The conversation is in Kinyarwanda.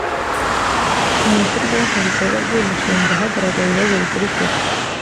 mu ishyirwa mu bikorwa by uyu mushinga hagaragaye ibibazo bikurikira